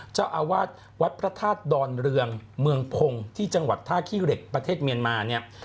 เจ้าอาวาสวัดพระธาตุดอนเรืองเมืองพงศ์ที่จังหวัดท่าขี้เหล็กประเทศเมียนมาเนี่ย